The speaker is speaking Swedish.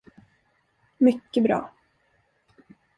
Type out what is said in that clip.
Mycket bra.